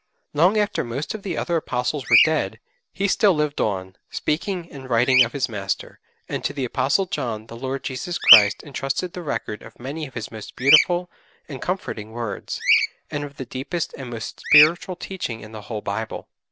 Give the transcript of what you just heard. Long after most of the other Apostles were dead, he still lived on, speaking and writing of his Master, and to the Apostle John the Lord Jesus Christ entrusted the record of many of His most beautiful and comforting words, and of the deepest and most spiritual teaching in the whole Bible.